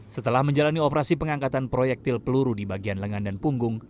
setelah menjalani operasi pengangkatan proyektil peluru di bagian lengan dan punggung